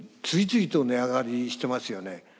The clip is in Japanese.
次々と値上がりしてますよね。